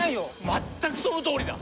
全くそのとおりだ。